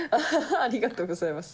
ありがとうございます。